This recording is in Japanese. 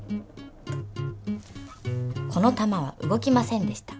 この玉は動きませんでした。